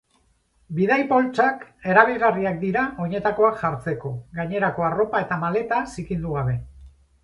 Bidai-poltsak erabilgarriak dira oinetakoak jartzeko, gainerako arropa eta maleta zikindu gabe.